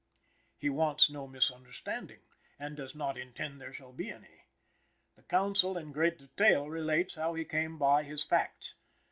"He wants no misunderstanding" and does "not intend there shall be any." The counsel in great detail relates how he came by his facts.